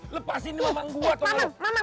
lepasin nih mamang gue tau gak lu